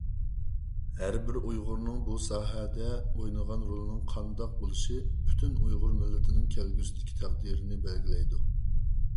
ھەربىر ئۇيغۇرنىڭ بۇ ساھەدە ئوينىغان رولىنىڭ قانداق بولۇشى پۈتۈن ئۇيغۇر مىللىتىنىڭ كەلگۈسىدىكى تەقدىرىنى بەلگىلەيدۇ.